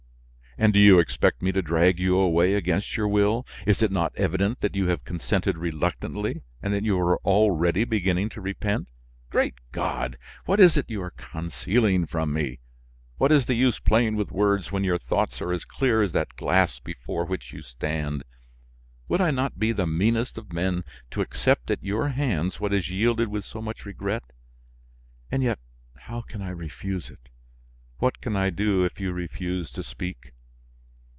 "And do you expect me to drag you away against your will? Is it not evident that you have consented reluctantly, and that you already begin to repent? Great God! What is it you are concealing from me? What is the use playing with words when your thoughts are as clear as that glass before which you stand? Would I not be the meanest of men to accept at your hands what is yielded with so much regret? And yet how can I refuse it? What can I do if you refuse to speak?"